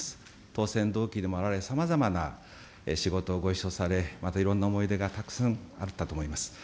当選同期でもあられ、さまざまな仕事をご一緒され、またいろんな思い出がたくさんあったと思います。